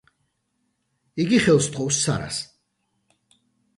იგი ხელს სთხოვს სარას.